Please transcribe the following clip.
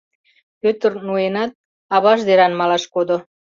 Пӧтыр, ноенат, аваж деран малаш кодо.